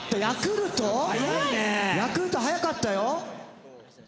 ヤクルト早かったよ。